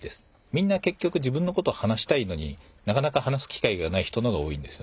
みんなけっきょく自分のこと話したいのになかなか話す機会がない人の方が多いんですよね。